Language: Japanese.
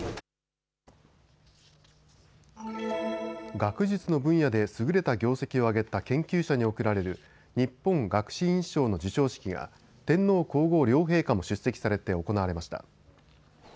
学術の分野で優れた業績を挙げた研究者に贈られる日本学士院賞の授賞式が天皇皇后両陛下も出席されて行われました。